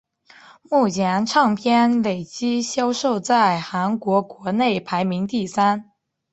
目前唱片累计销量在韩国国内排名第三。